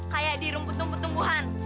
kayak di rumput rumput tumbuh tumbuhan